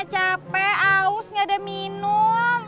capek aus nggak ada minum